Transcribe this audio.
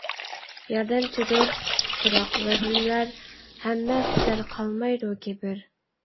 ياردەمچىدۇر تۇراق، ۋەزىنلەر. ھەممە پۈتەر قالمايدۇ كىبىر.